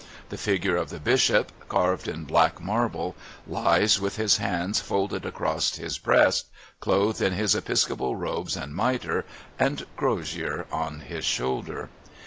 The figure of the bishop, carved in black marble, lies with his hands folded across his breast, clothed in his Episcopal robes and mitre, and crozier on his shoulder.